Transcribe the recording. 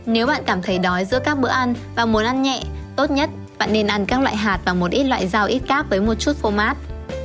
nếu bạn cảm thấy đói giữa các bữa ăn và mùa ăn nhẹ tốt nhất bạn nên ăn các loại hạt và một ít loại dao ít cap với một chút phô mát